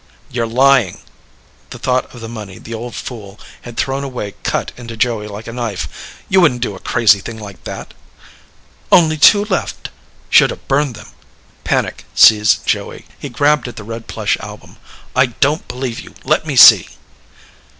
"You're lying!" The thought of the money the old fool had thrown away cut into Joey like a knife. "You wouldn't do a crazy thing like that." "Only two left. Should have burned them." Panic seized Joey. He grabbed at the red plush album. "I don't believe you. Let me see."